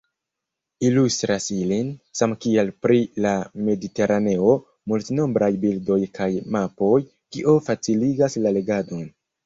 Ilustras ilin, samkiel pri "La Mediteraneo", multnombraj bildoj kaj mapoj, kio faciligas la legadon.